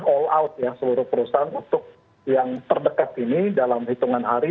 all out ya seluruh perusahaan untuk yang terdekat ini dalam hitungan hari